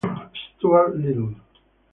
Stuart Little